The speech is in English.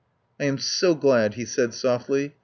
"I am so glad," he said softly.